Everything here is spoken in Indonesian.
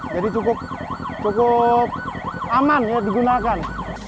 jadi cukup aman ya digunakan